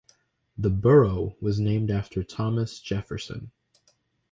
The borough was named after Thomas Jefferson.